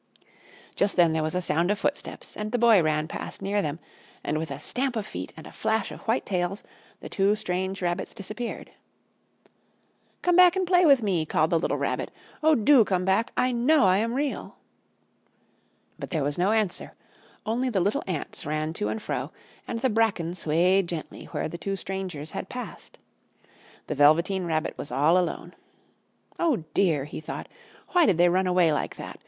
Just then there was a sound of footsteps, and the Boy ran past near them, and with a stamp of feet and a flash of white tails the two strange rabbits disappeared. "Come back and play with me!" called the little Rabbit. "Oh, do come back! I know I am Real!" But there was no answer, only the little ants ran to and fro, and the bracken swayed gently where the two strangers had passed. The Velveteen Rabbit was all alone. "Oh, dear!" he thought. "Why did they run away like that?